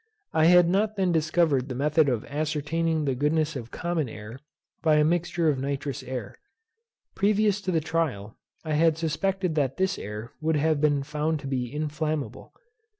I had not then discovered the method of ascertaining the goodness of common air, by a mixture of nitrous air. Previous to the trial, I had suspected that this air would have been found to be inflammable.